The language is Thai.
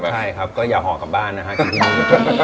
ใช่ครับก็อย่าห่อกลับบ้านนะฮะกินที่นี่